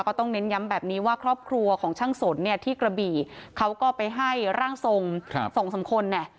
ต้องเน้นย้ำแบบนี้ว่าครอบครัวของช่างสนเนี่ยที่กระบี่เขาก็ไปให้ร่างทรงสองสามคนเนี่ย